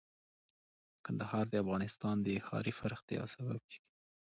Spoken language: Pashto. کندهار د افغانستان د ښاري پراختیا سبب کېږي.